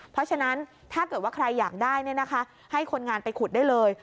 เพราะฉะนั้นถ้าเกิดว่าใครอยากได้ให้คนงานไปขุดได้เลย